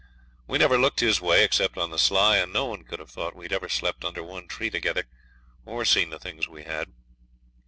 We never looked his way, except on the sly, and no one could have thought we'd ever slept under one tree together, or seen the things we had.